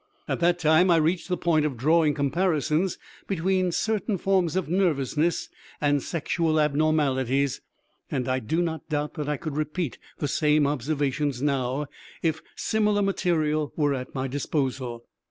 At that time I reached the point of drawing comparisons between certain forms of nervousness and sexual abnormalities, and I do not doubt that I could repeat the same observations now, if similar material were at my disposal.